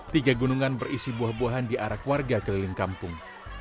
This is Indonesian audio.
tiga gunungan berisi buah buahan diarak warga keliling kampung